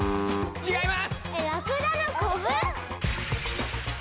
ちがいます。